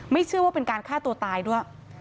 เชื่อว่าเป็นการฆ่าตัวตายด้วย